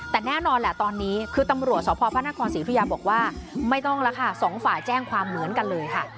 แต่แน่นอนแหละตอนนี้คือตำรวจสพพระนครศรีธุยาบอกว่าไม่ต้องแล้วค่ะสองฝ่ายแจ้งความเหมือนกันเลยค่ะ